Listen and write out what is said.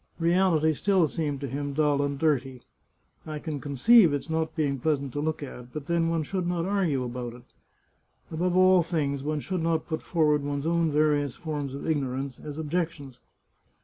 Reality still seemed to him dull and dirty. I can conceive its not being pleasant to look at. But then one should not argue about it. Above all things, one should not put forward one's own various forms of ignorance as objections.